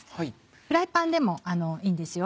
フライパンでもいいんですよ。